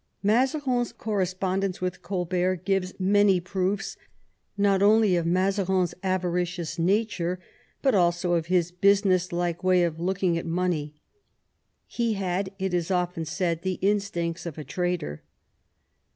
Mazarin*s correspondence with Colbert gives many proofs not only of Mazarin's avaricious nature, but also of his business like way of looking at money. He had, it is often said, the instincts of a trader.